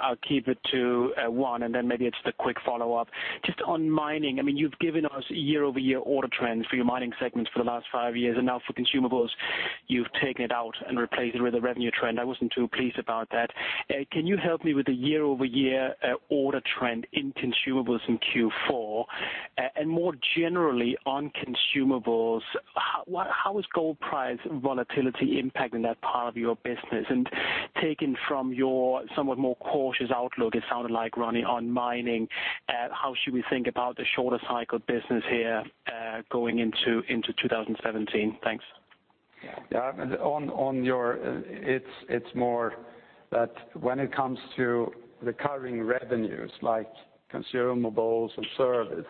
I'll keep it to one, and then maybe just a quick follow-up. Just on mining, you've given us year-over-year order trends for your mining segments for the last five years, and now for consumables, you've taken it out and replaced it with a revenue trend. I wasn't too pleased about that. Can you help me with the year-over-year order trend in consumables in Q4? More generally, on consumables, how is gold price volatility impacting that part of your business? Taking from your somewhat more cautious outlook, it sounded like Ronnie, on mining, how should we think about the shorter cycle business here, going into 2017? Thanks. Yeah. It's more that when it comes to recurring revenues, like consumables and service,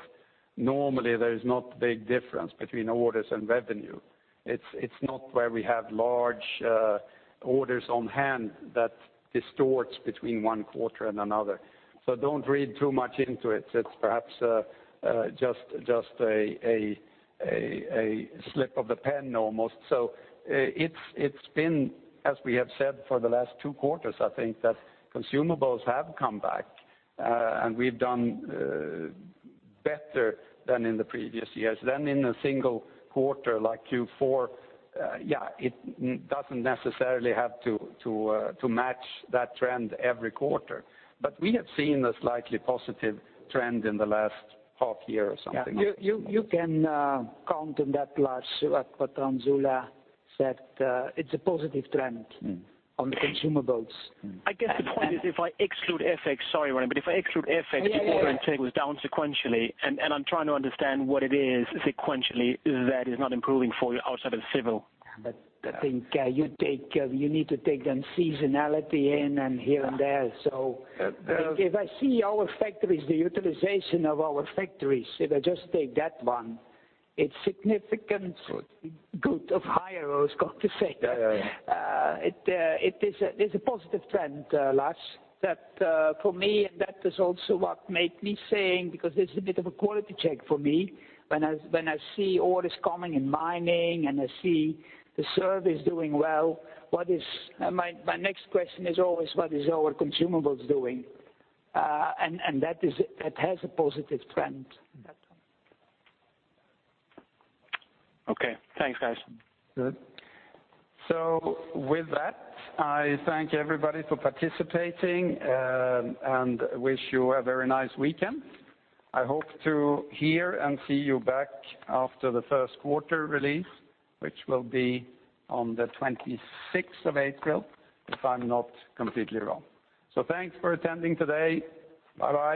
normally there is not a big difference between orders and revenue. It's not where we have large orders on hand that distorts between one quarter and another. Don't read too much into it. It's perhaps just a slip of the pen almost. It's been, as we have said for the last two quarters, I think that consumables have come back, and we've done better than in the previous years. Then in a single quarter like Q4, yeah, it doesn't necessarily have to match that trend every quarter. We have seen a slightly positive trend in the last half year or something. You can count on that, Lars, what Hans Ola said, it's a positive trend on the consumables. I guess the point is if I exclude FX, sorry, Ronnie, if I exclude FX, the order intake was down sequentially, and I'm trying to understand what it is sequentially that is not improving for you outside of civil. I think you need to take the seasonality in and here and there. If I see our factories, the utilization of our factories, if I just take that one, it's significantly good or higher, I was going to say. Yeah. It is a positive trend, Lars, that for me, that is also what made me saying, because it's a bit of a quality check for me when I see orders coming in mining and I see the service doing well, my next question is always, what is our consumables doing? That has a positive trend that time. Okay. Thanks, guys. Good. With that, I thank everybody for participating, and wish you a very nice weekend. I hope to hear and see you back after the first quarter release, which will be on the 26th of April, if I'm not completely wrong. Thanks for attending today. Bye-bye.